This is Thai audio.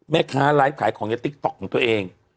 แม่ค้าร้านขายของในติ๊กต๊อกของตัวเอง